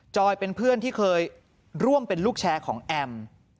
เป็นเพื่อนที่เคยร่วมเป็นลูกแชร์ของแอม